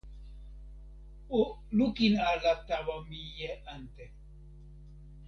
o lukin ala tawa mije ante.